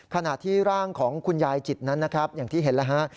ขณะที่ร่างของคุณยายจิตนั้นนะครับอย่างที่เห็นแล้วฮะ